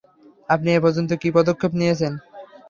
আপনি এ পর্যন্ত কি পদক্ষেপ নিয়েছেন?